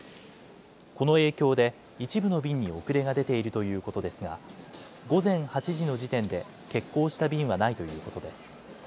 この影響で一部の便に遅れが出ているということですが午前８時の時点で欠航した便はないということです。